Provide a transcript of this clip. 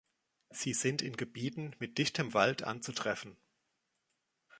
Sie sind in Gebieten mit dichtem Wald anzutreffen.